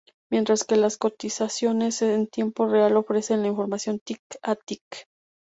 Mientras que las cotizaciones en tiempo real ofrecen la información tick a tick.